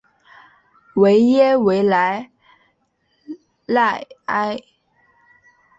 维耶维莱赖埃。